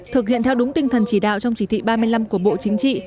thực hiện theo đúng tinh thần chỉ đạo trong chỉ thị ba mươi năm của bộ chính trị